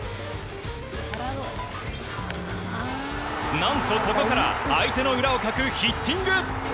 何とここから相手の裏をかくヒッティング。